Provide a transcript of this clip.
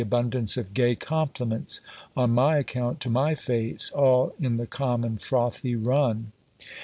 abundance of gay compliments on my account to my face, all in the common frothy run.